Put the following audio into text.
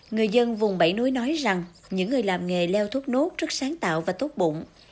người dân vùng bảy núi nói rằng những người làm nghề leo thốt nốt rất sáng tạo và tốt bụng